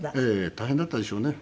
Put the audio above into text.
大変だったでしょうね。